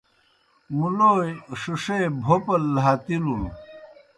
مُلوئے ݜِݜے بھوپَل لھاتِلُن۔